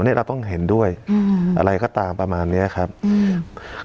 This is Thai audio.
เนี้ยเราต้องเห็นด้วยอืมอะไรก็ตามประมาณเนี้ยครับอืม